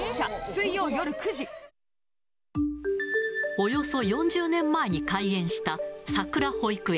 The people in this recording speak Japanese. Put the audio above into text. およそ４０年前に開園したさくら保育園。